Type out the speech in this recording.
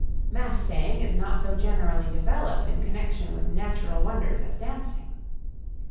Mass saying is not so generally developed in connection with natural wonders as dancing.